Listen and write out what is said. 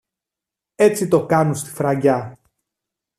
Έτσι το κάνουν στη Φραγκιά.